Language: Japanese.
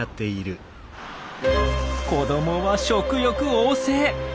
子どもは食欲旺盛。